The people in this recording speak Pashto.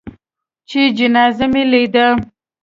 چې جنازه مې لېده.